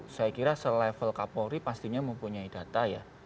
saya kira selevel kapolri pastinya mempunyai data ya